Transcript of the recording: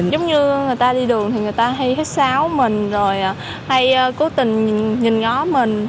giống như người ta đi đường thì người ta hay hết sáo mình rồi hay cố tình nhìn ngó mình